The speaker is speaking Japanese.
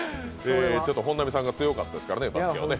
本並さんが強かったですからね、バスケはね。